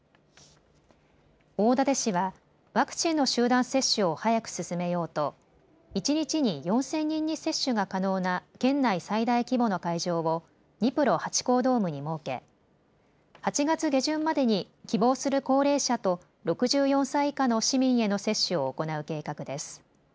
大館市はワクチンの集団接種を早く進めようと一日に４０００人に接種が可能な県内最大規模の会場をニプロハチ公ドームに設け８月下旬までに希望する高齢者と６４歳以下の市民への接種を行う計画です。